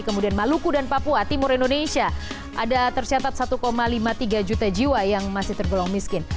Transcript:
kemudian maluku dan papua timur indonesia ada tercatat satu lima puluh tiga juta jiwa yang masih tergolong miskin